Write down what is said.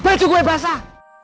baju gue basah